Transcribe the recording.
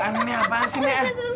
an nek apaan sih nek